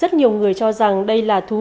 rất nhiều người cho rằng đây là thú vụ